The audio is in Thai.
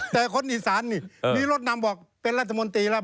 แต่คนอีสานนี่มีรถนำบอกเป็นรัฐมนตรีแล้ว